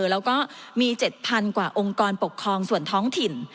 แล้วก็มี๗๐๐กว่าองค์กรปกครองส่วนท้องถิ่น